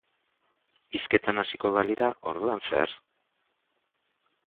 Hizketan hasiko balira, orduan zer?